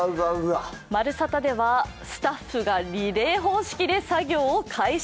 「まるサタ」ではスタッフがリレー方式で作業を開始。